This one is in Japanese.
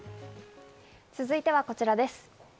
続いてはこちらです。